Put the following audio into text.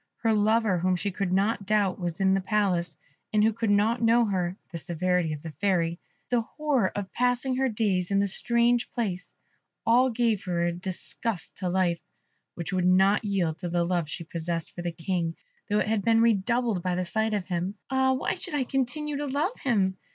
Her lover, whom she could not doubt was in the Palace, and who could not know her the severity of the Fairy the horror of passing her days in this strange place all gave her a disgust to life, which would not yield to the love she possessed for the King, though it had been redoubled by the sight of him. "Ah, why should I continue to love him?"